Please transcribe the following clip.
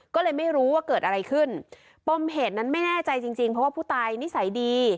ก็เลยไม่รู้ว่าเกิดอะไรขึ้นปมเหตุนั้นไม่แน่ใจจริงจริงเพราะว่าผู้ตายนิสัยดี